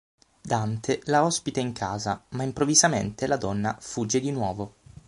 Dante la ospita in casa, ma improvvisamente la donna fugge di nuovo.